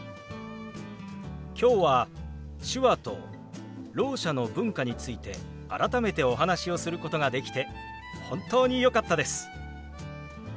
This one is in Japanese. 今日は手話とろう者の文化について改めてお話をすることができて本当によかったです。